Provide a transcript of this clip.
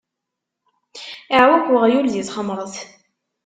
Iwqeɛ uɣyul di txemṛet.